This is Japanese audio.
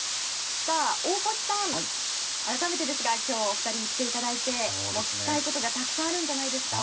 大越さん、改めてですが今日お二人に来ていただいて聞きたいことが、たくさんあるんじゃないんですか。